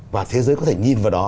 và thế giới có thể nhìn vào đó